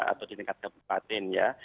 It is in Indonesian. atau di tingkat kabupaten ya